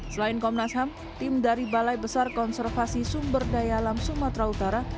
selain komnas ham tim dari balai besar konservasi sumber daya alam sumatera utara